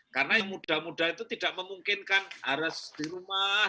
karena yang muda muda itu tidak memungkinkan harus di rumah